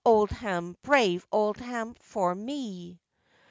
Owdham, brave Owdham for me.